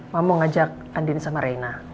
mama mau ngajak andin sama raina